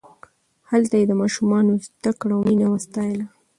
هلته یې د ماشومانو زدکړه او مینه وستایله.